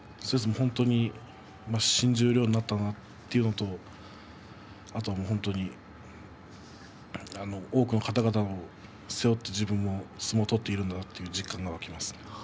本当に新十両になったんだなということとあとは本当に多くの方々を背負って相撲を取っているなという実感が湧きました。